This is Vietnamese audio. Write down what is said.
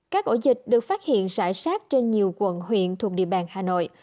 các ổ dịch được phát hiện rải rác trên nhiều quận huyện thuộc địa bàn hà nội